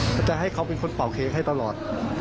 เขาจะให้เขาเป็นคนเป่าเค้กให้ตลอด